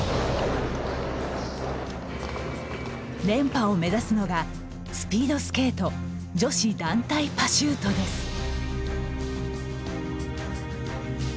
連覇を目指すのがスピードスケート女子団体パシュートです。